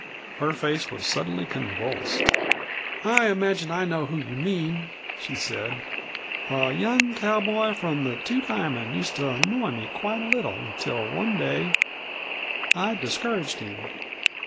Her face was suddenly convulsed. "I imagine I know whom you mean," she said. "A young cowboy from the Two Diamond used to annoy me quite a little, until one day I discouraged him."